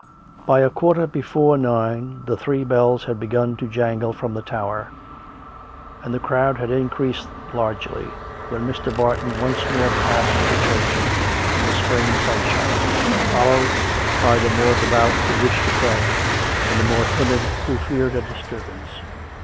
By a quarter before nine the three bells had begun to jangle from the tower; and the crowd had increased largely, when Mr. Barton once more passed to the church in the spring sunshine, followed by the more devout who wished to pray, and the more timid who feared a disturbance.